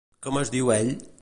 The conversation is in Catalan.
Com es diu ell?